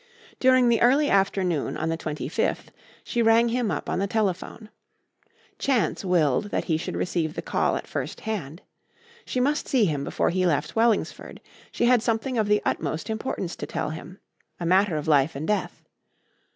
During the early afternoon on the 25th, she rang him up on the telephone. Chance willed that he should receive the call at first hand. She must see him before he left Wellingsford. She had something of the utmost importance to tell him. A matter of life and death.